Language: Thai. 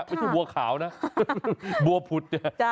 ไม่ใช่บัวขาวนะบัวผุดเนี่ย